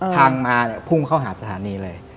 ทางมาพุ่งเข้าหาสถานีเลย